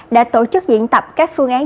đã tổ chức diễn tập các phương án